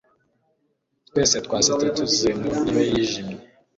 twese twasetse tuxedo ye yijimye